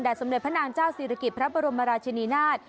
แดดสำเนิดพระนางเจ้าศิริกิตพระบรมราชินินาศ